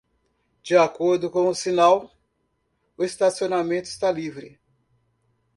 De acordo com o sinal, o estacionamento está livre.